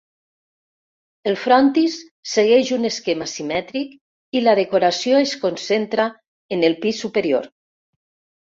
El frontis segueix un esquema simètric i la decoració es concentra en el pis superior.